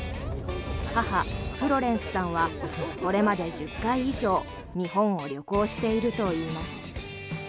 母・フロレンスさんはこれまで１０回以上日本を旅行しているといいます。